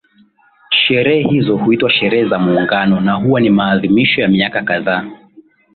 Sherehe hizo huitwa sherehe za muungano na huwa ni maadhimisho ya miaka kadhaa